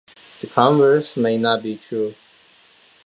The converse may not be true.